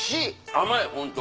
甘いホント！